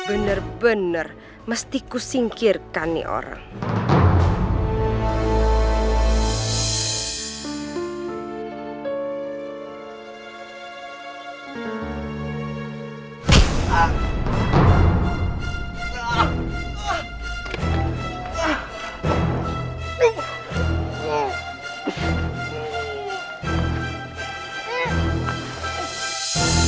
iya kan ibu kembalikan uang warga sebelum mereka tau bahwa ibu sudah menipu mereka